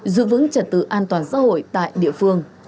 giữ vững trật tự an toàn xã hội tại địa phương